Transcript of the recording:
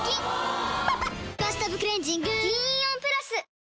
・おぉ「バスタブクレンジング」銀イオンプラス！